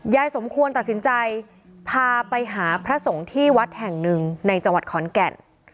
สมควรตัดสินใจพาไปหาพระสงฆ์ที่วัดแห่งหนึ่งในจังหวัดขอนแก่น